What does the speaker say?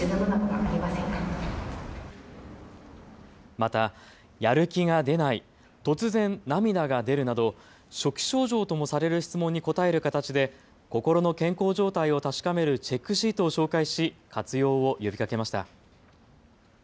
また、やる気が出ない、突然涙が出るなど初期症状ともされる質問に答える形で心の健康状態を確かめるチェックシートを紹介し活用を呼びかけました。